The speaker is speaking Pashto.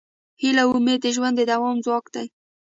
هیله او امید د ژوند د دوام ځواک دی.